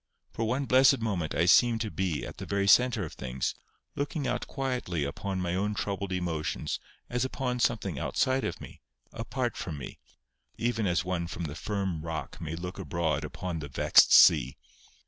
For one blessed moment I seemed to be at the very centre of things, looking out quietly upon my own troubled emotions as upon something outside of me—apart from me, even as one from the firm rock may look abroad upon the vexed sea.